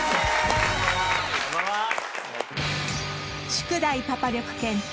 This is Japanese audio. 宿題パパ力検定